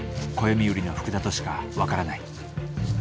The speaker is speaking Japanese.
暦売りの福田としか分からない。